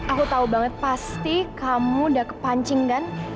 aku tahu banget pasti kamu udah kepancing kan